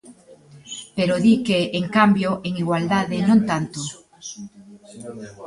Pero di que, en cambio, en igualdade non tanto.